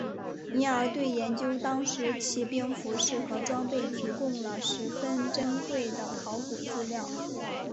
因而对研究当时骑兵服饰和装备提供了十分珍贵的考古资料。